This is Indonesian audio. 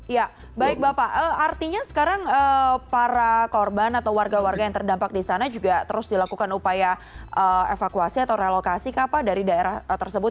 ya baik bapak artinya sekarang para korban atau warga warga yang terdampak di sana juga terus dilakukan upaya evakuasi atau relokasi dari daerah tersebut